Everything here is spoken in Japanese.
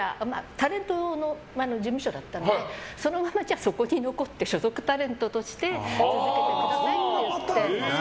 タレントの事務所だったのでそのまま、そこに残って所属タレントとして続けてくださいって。